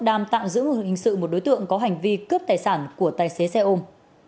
đang tạm giữ hình sự một đối tượng có hành vi cướp tài sản của tài xế xe ôm